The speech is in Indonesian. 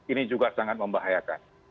ini juga sangat membahayakan